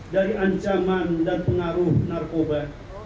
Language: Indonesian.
dari ancaman dan pengaruh narkoba